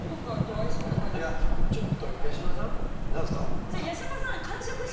何すか？